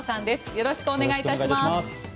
よろしくお願いします。